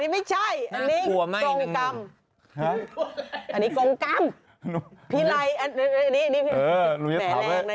นี่ไม่ใช่นี่กงกรรมอันนี้กงกรรมพี่ไรแหมแรงนะ